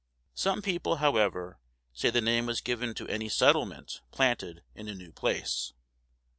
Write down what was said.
Some people, however, say the name was given to any settlement planted in a new place.